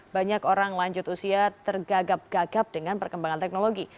banyak orang lanjut usia tergagap gagap dengan perkembangan teknologi